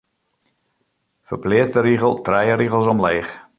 Ferpleats de rigel trije rigels omleech.